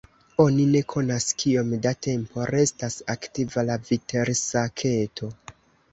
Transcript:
Oni ne konas kiom da tempo restas aktiva la vitelsaketo.